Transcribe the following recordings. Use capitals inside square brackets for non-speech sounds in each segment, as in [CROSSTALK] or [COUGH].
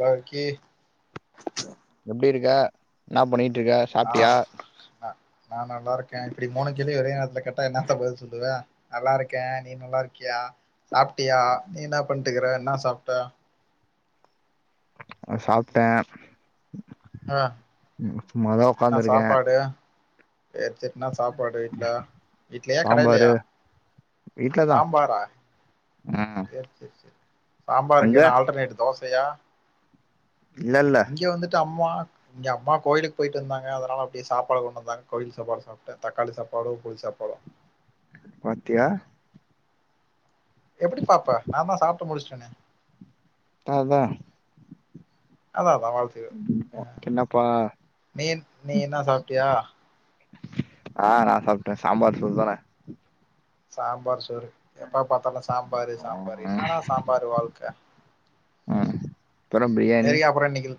பாக்கி எப்டி இருக்க என்னா பண்ணிட்ருக்க ஆ நா நா நல்லாருக்கே இப்டி மூனு கேள்வி ஒரே நேரத்துல கேட்டா என்னத்த பதில் சொல்லுவே நல்லாருக்கே நீ நல்லாருக்கியா சாப்ட்டியா நீ என்ன பண்ட்டுக்குற என்ன சாப்ட்ட நா சாப்ட்டே ஆ சும்மாதா ஒக்காந்துருக்கே சேர் சேர் என்ன சாப்பாடு வீட்ல வீட்லயா சாம்பாரு கடைலயா வீட்லதா சாம்பாரா ம் சேர் சேர் சேர் சாம்பாருக்கு அங்க என்ன ஆல்டர்னேட் தோசயா இல்ல இல்ல இங்க வந்துட்டு அம்மா இங்கே அம்மா கோயிலுக்கு போய்ட்டு வந்தாங்க அதனால அப்டியே சாப்பாடு கொண்டுந்தாங்க கோயில் சாப்பாடு சாப் ட்டே தக்காளி சாப்பாடு புளி சாப்பாடு பாத்தியா எப்பிடி பாப்ப நா தா சாப்ட்டு முடிச்ட்டேனே அதா அதா அதா வாழ்க்கையே என்னப்பா நீ நீ என்ன சாப்ட்டியா ஆ நா சாப்ட்டே சாம்பார் சோறு தான சாம்பார் சோறு எப்ப பாத்தாலு சாம்பாரு சாம்பாரு ம் என்னடா சாம்பார் வாழ்க்க ம் அப்றோ பிரியாணி செரி அப்பறோ இன்னைக்கு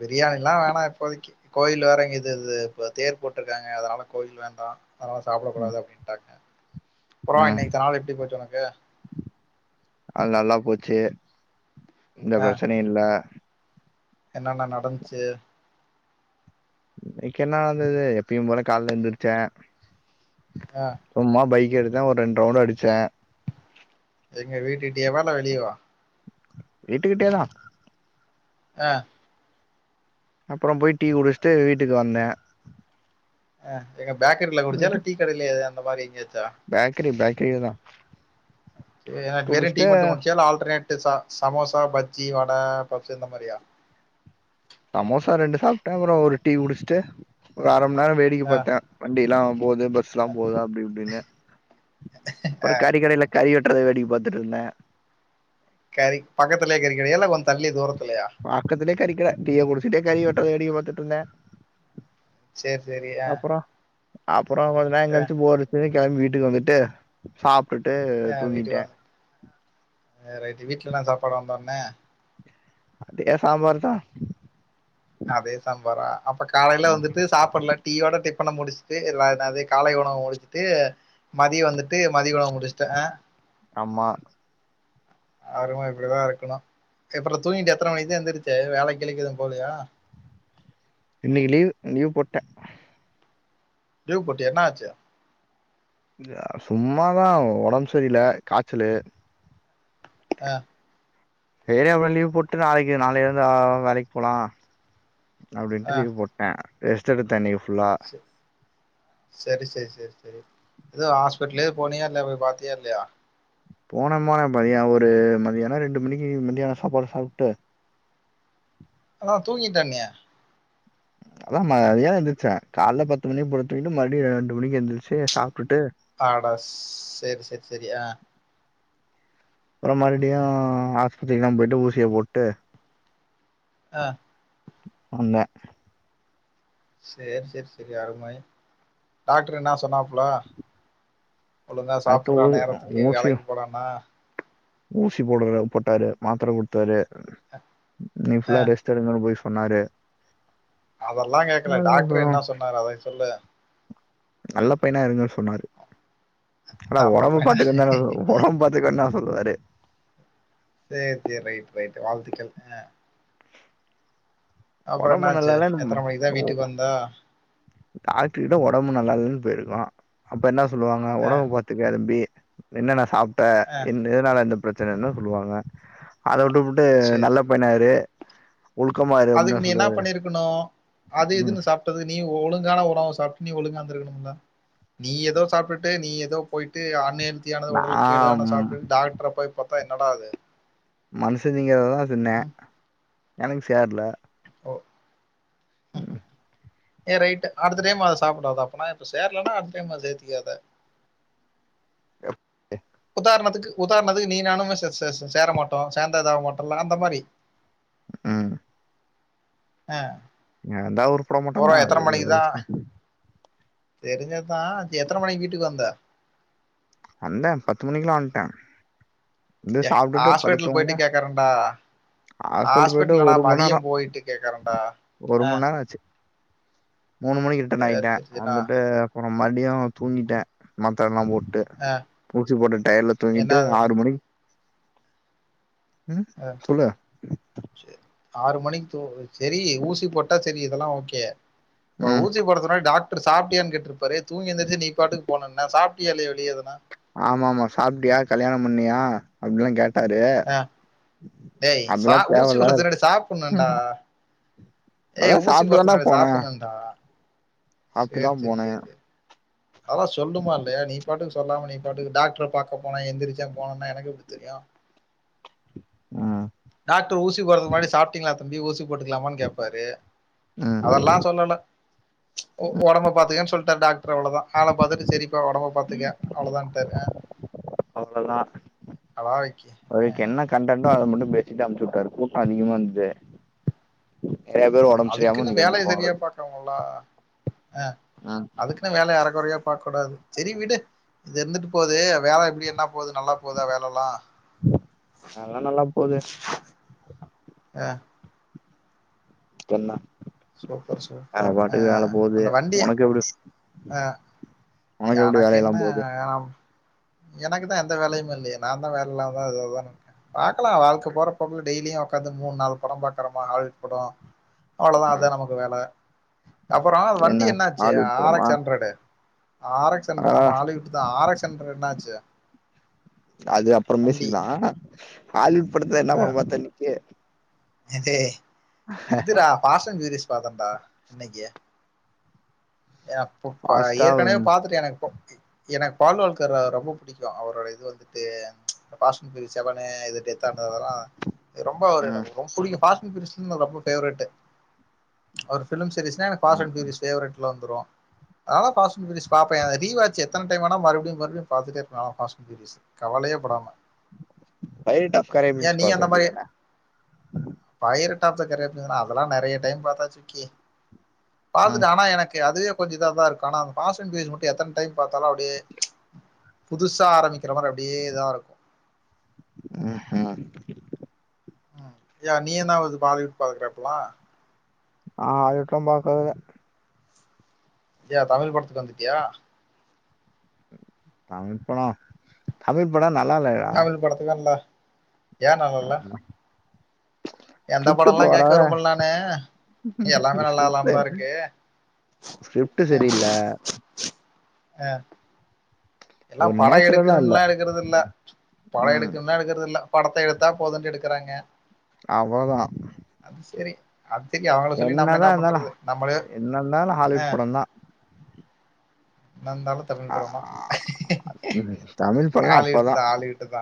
பிரியாணில்லா வேணா இப்போதைக்கு கோயில்ல வேற இங்க இது இது இப்ப தேர் போட்டிருக்காங்க அதனால கோயில் வேண்டா அதனால சாப்டக் ம் கூடாது அப்டின்ட்டாங்க அப்றோ ம் இன்னைக்கு இத்த நாள் எப்டி போச்சு உனக்கு அது நல்லா போச்சு எந்த ஆ பிரச்சனையு இல்ல என்னென்ன நடந்ச்சு இனைக்கு என்னா நடந்தது எப்பயு போல கால்ல எந்திருச்சே ஆ சும்மா பைக் எடுத்தே ஒரு ரெண்ட் ரவுண்டு அடிச்சே எங்கே வீட்டுக்கிட்டேவா இல்ல வெளியவா வீட்டுக்கிட்டேதா ஆ அப்பறோ போய் டீ குடிச்சுட்டு வீட்டுக்கு வந்தே ஆ எங்க பேக்கரில குடிச்சியா இல்ல டீ கடைலேயே அந்த மாரி எங்கயாச்சா பேக்ரி பேக்ரில தா சேர் எனா வெறு டீ குடிச்சிட்டு மட்டு குடிச்சியா இல்ல ஆல்டர்னேட் ச சமோசா பஜ்ஜி வட பஃப்சு இந்த மாரியா சமோசா ரெண்டு சாப்ட்டே அப்றோ ஒரு டீ குடிச்சிட்டு ஒரு அர மண் நேரோ வேடிக்க ஆ பாத்தே வண்டில்லா போகுது பஸ்ல்லா போது அப்டி இப்டின்னு அப்பறோ கறிக்கடைல கறி வெட்டுறத வேடிக்க பாத்துட்டுருந்த கறி பக்கத்துலே கறி கடையா இல்ல கொஞ்ச தள்ளி தூரத்துலயா பக்கத்துலே கறி கட டீய குடிச்சிட்டே கறிய வெட்டுறத வேடிக்க பாத்துட்டுருந்தே சேர் செரி ஆ அப்பறோ கொஞ்ச நேர அ கழிச்சு போரு அடிச்சுன்னு கெளம்பி வீட்டுக்கு வந்துட்டு சாப்ட்டுட்டு வீட்டுக்கு தூங்கிட்டே வந்த ஆ ரைட்டு வீட்ல என்ன சாப்பாடு வந்தோனே அதே சாம்பார் தா அதே சாம்பாரா அப்போ காலைல வந்துட்டு சாப்புல்ல டீ யோட டிஃப்பன முடிச்சுட்டு எல்லா என்னா இது காலை உணவ முடிச்சுட்டு மதிய வந்துட்டு மதிய உணவ முடிச்சுட்டு ஆ ஆமா அரும இப்புடிதா இருக்கணு செ அப்பறோ தூங்கிட்டு எத்தன மணிக்கு தா எந்துருச்சே வேல கீலைக்கி எதுவு போலையா இன்னைக்கு லீவ் லீவ் போட்டே லீவ் போட்டியா என்னாச்சு அ சும்மாதா ஒடம்பு சரியில்ல காச்சலு ஆ சேரி அப்பறோ லீவ் போட்டு நாளைக்கு நாளைல இருந்து ஆ வேலைக்கு போலா ஆ அப்டின்ட்டு லீவ் போட் ட ரெஸ்ட்டு எடுத்தே இன்னைக்கு ஃபுல்லா செரி செரி செரி செரி எதுவ் ஹாஸ்பிட்டலு போனீயா இல்ல போய் பாத்து தியா இல்லயா போன மார மதியோ ஒரு மதியானொ ரெண்டு மணிக்கு மதியானோ சாப்பாடு சாப்ட்டு ஆனா தூங்கிட்டேன்யா அதா மதியானோ எந்துருச்சே காலைல பத்து மணிக்கு போல தூங்கிட்டு மறுபடியு ரெண்டு மணிக்கு எந்துரிச்சு சாப்ட்டுட்டு அடச் சேர் சேர் செரி ஆ அப்றோ மறுபடியு ஆஸ்பத்திரிக்குலா போயிட்டு ஊசிய போட்டு ஆ வந்த சேர் சேர் சேரி அருமை டாக்ட்ரு என்னா சொன்னாப்ல ஒழுங்கா அடுத்து சாப்புட்றா ஊ நேரத்துக்கு ஊசி வேலைக்கு போடான்னா ஊசி போடுறார் போட்டாரு மாத்தர குட்த்தாரு இன்னிக் ஃபுல்லா ரெஸ்ட் எடுங்கனு போய் சொன்னாரு அதெல்லா கேக்கல டாக்ட்ரு என்னா சொன்னாரு அதை சொல்லு நல்ல பையனா இருங்க சொன்னாரு ஆனா நல்ல ஒடம்பு பைய பாத்துக்கன் தான சொ சேரி ஒடம் பாத்துக்கோன்னா சொல்லுவாரு சேர் சேர் ரைட் ரைட்டு வாழ்த்துக்கள் அ அப்றோ ஒடம்பு என்னாச்சி எத்தன மணிக்கு தா வீட்டுக் வந்தே டாக்ட்ரு கிட்ட ஒடம்பு நல்லா இல்லன் போயிருக்கறோ அப்போ என்னா சொல்லுவாங்க ஆ ஒடம்ப பாத்துக்க தம்பி என்னன்ன சாப்ட்டே என் எதனால இந்த பிரச்சனன்னு சொல்லுவாங்க அத உட்டுபுட் டு சேரி நல்ல பையனா சேரி இரு ஒழுக்கமா இ அதுக்கு நீ என்னா பண்ணீருக்கணு அது ம் இதுன்னு சாப் பட்றது நீ ஒ ஒழுங்கான உணவு சாப்ட்டு நீ ஒழுங்கா இந்துருக்கணுமில்ல நீ எதோ சாப்ட்டுட்டு நீ எதோ போய்ட்டு ஆன் ஹெல்த் தியானது நா உடலுக் கேடு ஆனத் சாப்ட்டுட் டாக்ட்ர போய் பாத்தா என்னடா அது மனுஷ திங்கறத தா தின்னே ம் எனக்கு சேர்ல ஓ ம் ஏ ரைட்டு அடுத்த டைம் அத சாப்படாத அப்பனா இப்ப சேர்லன்னா அடுத்த டைம் அத சேத்திக்காத எ உதாரணத்துக்கு உதாரணத்துக்கு நீ நானுமே சே சே சே சேர மாட்டோ சேந்தா இதாக மாட்டோல்ல அந்த மாரி ம் அ சேந்தா உருப்பட மாட்டோந்தா அது என் ஏ தெரிஞ்சத் தா எத்தன மணிக் வீட்டுக் வந்த வந்தே பத்து மணிக்குலா வந்ட்டே வந்து ஏ சாப்ட்டுட்டு படுத் ஹாஸ்பிட்டல் போயிட்டு தூங்னே கேட்கறேன்டா ஹாஸ்டல்ட்டு போய்ட்டு ஹாஸ்பிட்டல்லடா ஒரு மண் நேரோ மதியம் போயிட்டு கேட்கறேன்டா ஒரு ஆ மண் நேரோ ஆச்சு மூணு மணிக்கு ரிட்டன் ஆய்ட்டே சரி சரிண்ணா வந்துட்டு அப்பறோ மறுப்டியு தூங்கிட்டே மத்தரல்லா போட்டு அ ஊசி போட்ட டயட்ல தூங்கிட்டு ஆறு மணிக்கு ம் சொல்லு சேர் ஆறு மணிக்கு தூ செரி ஊசி போட்டா செரி இதெல்லா ஓகே அப்றோ ம் ஊசி போட்றதுக் முன்னாடி டாக் ட்ரு சாப்ட்டியான் கேட்ருப்பாரே தூங்கி எந்திர்ச்சு நீ பாட்டுக் போனன்ன சாப்ட்டியா இல்லயா வெளியெதுனா ஆமா ஆமா சாப்ட்டியா கல்யாணம் பண்ணியா அப்டிலா கேட் டாரு ஆ, டேய் சா அதெல்லா ஊசி தேவல்ல போடுறதுக்கு அவருக்கு முன்னாடி ம் ம் ஏ ஊசி போட் நறைய சாப்பட்ணுடா சாப்ட்டு தா சேர் சேர் போனே சேரி அதலா சொல்ணுமா இல்லையா நீ பாட்டுக்கு சொல்லாம நீ பாட்டுக்கு டாக்ட்ர பாக்க போன எந்திரிச்ச போனுன்னா எனக் எப்டி தெரியு ம் டாக்ட்ரு ஊசி போட்றதுக் முன்னாடி சாப்ட்டீங்ளா தம்பி ஊசி போட்டுக்கலாமான்னு கேப்பாரு ம் அதல்லா சொல்லல ஒ ஒடம்ப பாத்துக்கன் சொல்ட்டார் டாக் ட்ரு அவ்ள தா ஆள பாத்துட்டு செரிப்பா ஒடம்ப பாத்துக்க அவ்ளோ தான்ட்டாரு அ அவ்ள் தா அடாவடிக்கு. அதுக்கு என்ன கண்டன்டா அத மட்டு பேசிட்டு அனுப்ச்சிவிட்டாரு கூட்டோ அதிகமா இருந்தது நெறைய பேர் ஒடம்பு சரியாம அதுக்குனு இன்னைக்கு வேலய சரியா வந்திருப்பாங்களாட்டு பாக்கனும்லா அ ம் அதுக் என்ன வேல அறக்குறையா பாக்க கூடாது செரி விடு இது இருந்துட்டு போது வேல எப்டி என்ன போது நல்லா போதா வேலஎல்லா அதல்லா நல்லா போது ஆ கென்னா சூப்பர் சூப்பர் ஆ போது அந்த வண்டிய உனக்கு எப்டி ஆ உனக்கு எப்டி வேலையெல்லா எனக்கென்ன போது ஆணாம் எனக்குதா எந்த வேலையுமில்லயே நாந் தா வேலயில்லாம இது அதோனு இருக்கே பாக்கலா வாழ்க்க போறப்போக்குல டெய்லியு உக்காந்து மூணு நாலு படோ பாக்குறோம ஹாலிவுட் படோ அவ்ளோதா ம் அதா நமக்கு வேல அப்புறோ வண்டி என்ன ஆச்சு ஹாலிவுட் ஆர் படமா எச் அன்ரடு ஆர் எக்ஸ் அண்டு ஆ ஆமா ஆரெக்ஸ்தா ஆர் எக்ஸ் அண்டுரெட் என்னாச்சு அது அப்புறோ வண்டி. பேசிக்கலா ஹாலிவுட் படத்துல என்ன படோ பாத்தன்னிக்கி இது இதுரா பாசங் கெரிஸ் பாத்தன்டா இன்னைக்கி ஏ அப்பப்பா ஃபாஸ்டா ஏற்கனவே ம் பாத்துட்டே எனக்கு இப்போ எனக்கு பால்வழ்கர் ரொம்ப புடிக்கு அவரோட இது வந்துட்டு பாஷன் பி செவனு இது டெத் ஆனதுலா ரொம்ப எனக்கு ரொம்ப புடிக்கு பாஸ்து கிருஸ்துன ரொம்ப பேவரட் அவரு பிலிம் சீரிஸ்னா எனக்கு ம் பாஸ்வட் சீரிஸ் பேவரெட்ல வந்துரு ஆனா பாஸ்புட் சீரிஸ் பாப்பே ரிவாச் எத்தனடைம் வேணா மறுபுடியுமறுபுடியு பாத்துடே இருப்ப நால பாஸ்புட் வீடியோ கவலயே படாம பயிரிட்டா கரேபீன்ஸ் பாக்க வேண்டிதானா பயிரிட்டா த கெரேக்அதெல்லா நெறய டைம் பாத்தாச்சு விக்கி ம் பாத்துட்டே ஆனா எனக் அதுவே கொஞ்ச இத தா இருக்கு ஆன பாசன்ஸ் சீரியஸ் மட்டு எத்தன டைம் பாத்தாலு அப்டியே புதுசா ஆரம்பிக்கிற மாரி அப்டியே இதா இருக்கு உஹும் யா நீ என்னாவது பாலிவுட்டு பாக்குறியாப்பலா ஆ ஹாலிவுட்ல பாக்குறதுல்ல யா தமிழ் படத்துக்கு வந்துட்டியா தமிழ் படோ தமிழ் படோ நல்லா இல்லயா படத்துக்கெந்தா யா நல்லால்ல ஸ்கிரிப்டு இப்ப படம்லாம் கேட்க வரவர விரும்பல நானு. எல்லாமே நல்லா இல்லாம ஸ்கிரிப்பே தான் இருக்கு. ஸ்கிரிப்ட்டு சரியில்ல ஆ எல்லா ஒரு படோ நேச்சுரலா இல்ல எடுக்றணுலா எடுக்குறது இல்ல படோ ம் எடுக்குன்னா எடுக்கிறது இல்ல படத்த எடுத்தா போதுன்டு எடுக்குறாங்க அவோதா அது செரி அத்திகே அவங்கள சொல்லி நம்ம என்னதா என்ன இருந்தாலு பண்றது நம்மளே என்ன இருந்தாலு அ ஹாலிவுட் படந்தா என்னயிருந்தாலு தமிழ் ஆ படமா தமிழ் படலா அப்பதா ஆலிவுட்டுதா ஆலி வுட்டுதா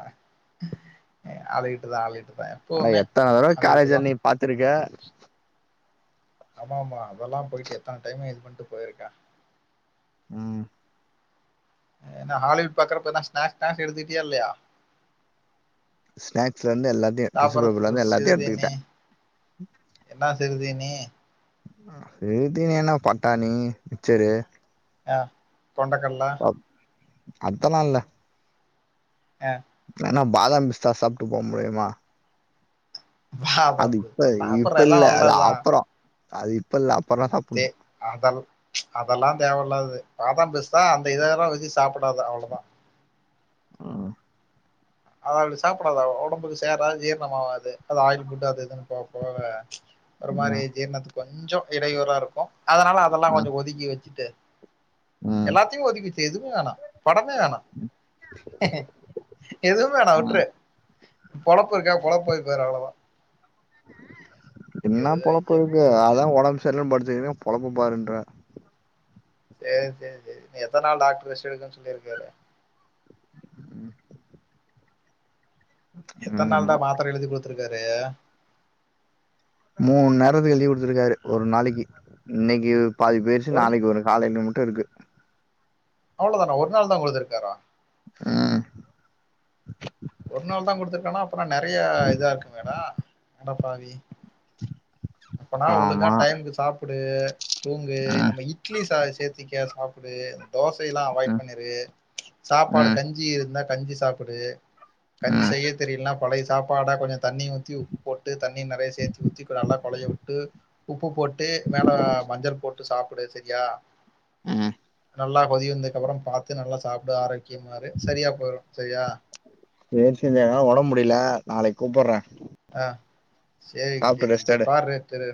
ஆலிவுட்டுதா ஆலிவுட்டுதா யா அட எத்தன தடவ காலேஜ்ல நீ பாத்துருக்க [INAUDIBLE] ஆமா ஆமா அதெல்லாம் போயிட்டு எத்தனை டைம் இது பண்ணிட்டு போயிருக்கா ம் ஏன ஹாலிவுட் பாக்றப்ப எதனா ஸ்னாக்ஸ் ஸ்னாக்ஸ் எடுதுக்கிட்டியா இல்லையா ஸ்னாக்ஸ் இருந்து எல்லாத்தையு டிசு சாப்பிடறதுக்கு பேப்பர்லந்து எல்லாத்தையும் எடுத்துக்கிட் என்னா சிறுதீநீ சிறு தீனி என்னா பட்டாணி மிச்சரு ஆ கொண்டகல்ல அதெல்லா இல்ல ஆன் ஏன்னா பாதாம் பிஸ்தா சாப்பிட்டு போ முடியுமா அது பாதாம் இப்ப பிஸ்தா சாப்பிடுற இப்ப இல்ல எல்லாம் அது நல்லதுதான் அப்பறோம் அது இப்ப இல்ல அப்பறம சாப்புட்ணு அதெ அதெல்லாம் தேவ இல்லாது பாதாம் பிஸ்தா அந்த இதெல்லாம் வச்சு சாப்பிடாத அவ்ளோ தான் ம் அத‌ அப்டி சாப்பிடாதா ஒடம்புக்கு சேராது ஜீர்னோம் ஆவாது அது ஆயில் ஃபுட் அது இதுன்னு போ போகல ஒரு மாரி ம் ஜீரணத்துக்கு கொஞ்சோம் இடையூறா ருக்கும் அதனால அதெல்லாம் ம் கொஞ்சோ ஒதிக்கி வச்சுட்டு ம் எல்லாத்தியும் ஒதுக்குச்சு எதுவும் வேணாம் படமே வேணா எதுவு ம். வேணாவுட்ரு பொழப்பு இருக்கா பொழப்ப போய் பாரு அவ்ளோதான் ஐயோ என்னா பொழப்பு ஐயோ இருக்கு சேரி அதான் ஒடம்பு சரியில்லனு படித்துருக்க பொழப்ப பாருன்ற சேர் சேர் சேரி இன்னு எத்தன் நாள் டாக்டர் ரெஸ்டு எடுக்கனுனு சொல்லிருக்காரு எத்தன் நாள்தா என்னமோ மாத்தர எழுதி கொடுத்துருக்காரு மூணு நேரத்துக்கு எழுதி கொடுத்துருக்காரு ஒரு நாளைக்கு இன்னைக்கு பாதி பேய்ருச்சு ஒரு நாளைக்கு வரும் காலை இன்னமுட்டு இருக்கு அவ்ளோதானா ஒர் நாள் தான் கொடுத்துருக்காரா ஆ ஒர் நாள் தான் கொடுத்துருக்கானா அப்பறோம் நெறைய இதா இருக்குமேடா அடப்பாவி அப்பனா ஒழுங்கா ஆமா டைமுக்கு சாப்புடு தூங்கு ம் நம்ம இட்லி ச சேத்திக்க சாப்ப ப்புடு தோசையெல்லாம் அவாய்ட் ம் பண்ணிறு சாப்பாடு ம் கஞ்சி இருந்தா கஞ்சி சாப்பிடு கஞ்சி ம் செய்ய தெரிய்லனா பழைய சாப்பாடா கொஞ்சம் தண்ணி ஊத்தி உப்பு போட்டு தண்ணி நெறைய சேத்தி ஊத்தி் நல்லா கொழைய விட்டு உப்பு போட்டு மேல மஞ்சள் போட்டு சாப்புடு சரியா ம் நல்லா கொதி வந்ததுக்கப்பறோம் பாத்து நல்லா சாப்டு ஆரோக்கியமா இரு சரியா போயிடும் சரியா சேரி சேர் என்னால ஒடம் முடியல நாளைக்கு கூப்புட்றே ஆ செரிங்க சாப்ட்டு செரிங்க ரெஸ்ட் சேர் எடு பாரு தெரு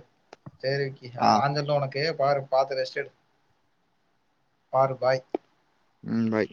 சேரி விக்கி அது ஆ நாஞ்சொல்ல உனக்கு பாரு பாத்து ரெஸ்ட் எடு பாரு பாய் ம் பாய்